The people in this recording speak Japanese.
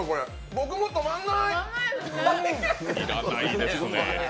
僕も止まんない！